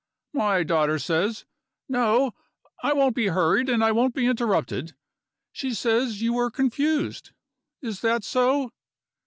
"My daughter says No! I won't be hurried and I won't be interrupted she says you were confused. Is that so?"